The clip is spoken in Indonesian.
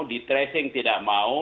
di tracing tidak mau